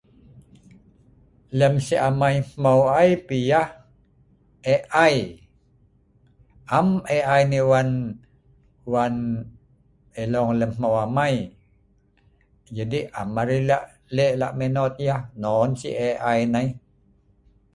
Lem Si amai hmeu ai piah, AI.. am AI nai wan elong lem hmeu amai.jadi am arai le la me not yah, non Si AI nai